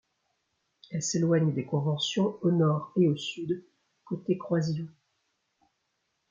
Elles s'éloignent des conventions au nord et au sud, côté croisillons.